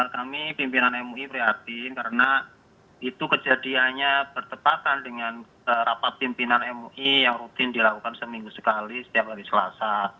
kami pimpinan mui prihatin karena itu kejadiannya bertepatan dengan rapat pimpinan mui yang rutin dilakukan seminggu sekali setiap hari selasa